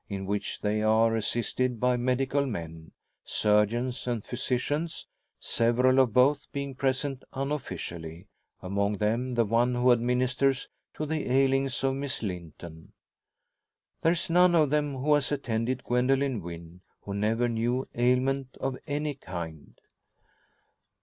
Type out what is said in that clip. In which they are assisted by medical men surgeons and physicians several of both being present, unofficially; among them the one who administers to the ailings of Miss Linton. There is none of them who has attended Gwendoline Wynn, who never knew ailment of any kind.